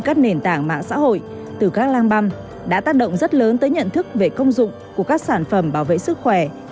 các nền tảng mạng xã hội từ các lang băm đã tác động rất lớn tới nhận thức về công dụng của các sản phẩm bảo vệ sức khỏe